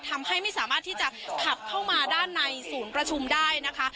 ทำให้ไม่สามารถที่จะขับเข้ามาด้านในศูนย์ประชุมได้นะคะ